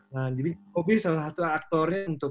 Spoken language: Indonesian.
nah jadi kobe salah satu aktornya